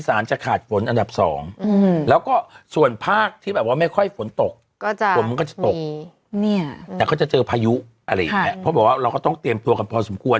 เพราะบอกว่าเราก็ต้องเตรียมตัวกันพอสมควร